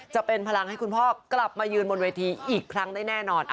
จะเป็นพลังให้คุณพ่อกลับมายืนบนเวทีอีกครั้งได้แน่นอน